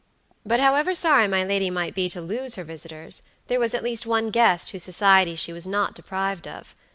But however sorry my lady might be to lose her visitors, there was at least one guest whose society she was not deprived of.